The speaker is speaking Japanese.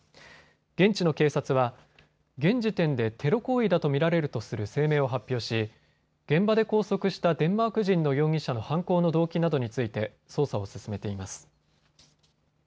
現地の警察は現時点でテロ行為だと見られるとする声明を発表し現場で拘束したデンマーク人の容疑者の犯行の動機などについて捜査を進めています。